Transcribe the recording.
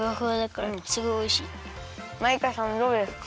マイカさんどうですか？